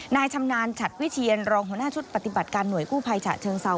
ชำนาญฉัดวิเทียนรองหัวหน้าชุดปฏิบัติการหน่วยกู้ภัยฉะเชิงเซา